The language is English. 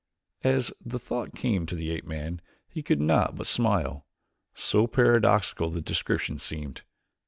As the thought came to the ape man he could not but smile, so paradoxical the description seemed.